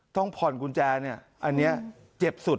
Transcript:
ต้องผ่อนกุญแจเนี่ยอันนี้เจ็บสุด